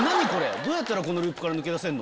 どうやったらこのループから抜け出せるの？